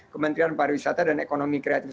kementerian pariwisata dan ekonomi kreatif